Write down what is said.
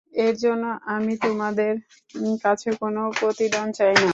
এর জন্যে আমি তোমাদের কাছে কোন প্রতিদান চাই না।